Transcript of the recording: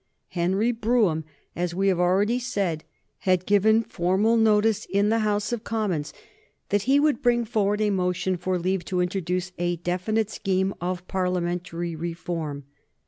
Henry Brougham, as we have already said, had given formal notice in the House of Commons that he would bring forward a motion for leave to introduce a definite scheme of Parliamentary reform.